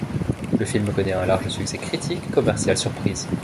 Le film connait un large succès critique et commercial surprise.